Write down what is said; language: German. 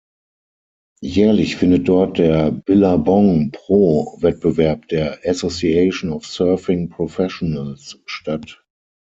Jährlich findet dort der Billabong Pro-Wettbewerb der Association of Surfing Professionals statt.